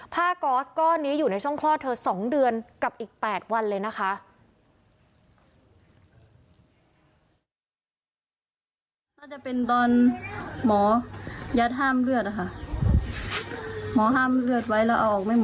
กอสก้อนนี้อยู่ในช่องคลอดเธอ๒เดือนกับอีก๘วันเลยนะคะ